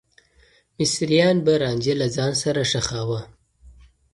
مصريان به رانجه له ځان سره ښخاوه.